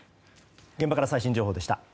現場から最新情報でした。